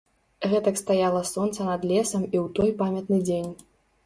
Гэтак стаяла сонца над лесам і ў той памятны дзень.